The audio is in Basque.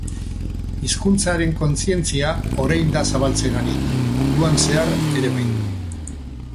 Hizkuntzaren kontzientzia orain da zabaltzen ari, munduan zehar ere bai.